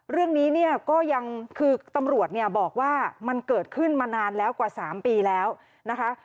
เรื่องนี้เนี่ยก็ยังคือตำรวจเนี่ยบอกว่ามันเกิดขึ้นมานานแล้วกว่า๓ปีแล้วนะคะ